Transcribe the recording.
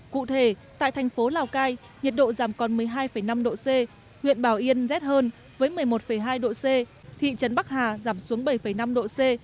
cụ thể tại thành phố lào cai nhiệt độ giảm còn một mươi hai năm độ c huyện bảo yên rét hơn với một mươi một hai độ c thị trấn bắc hà giảm xuống bảy năm độ c